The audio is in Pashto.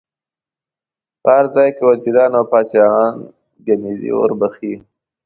په هر ځای کې وزیران او پاچاهان کنیزي ور بخښي.